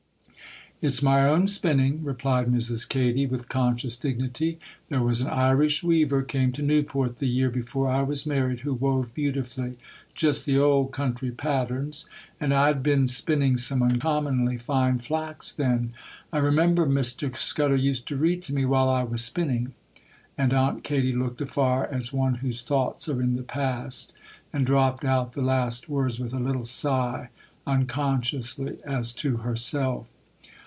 'It's my own spinning,' replied Mrs. Katy, with conscious dignity. 'There was an Irish weaver came to Newport the year before I was married, who wove beautifully,—just the Old Country patterns,—and I'd been spinning some uncommonly fine flax then. I remember Mr. Scudder used to read to me while I was spinning,'—and Aunt Katy looked afar, as one whose thoughts are in the past, and dropped out the last words with a little sigh, unconsciously, as to herself.